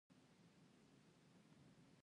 تر څو چې به ګران صاحب نه وو رارسيدلی-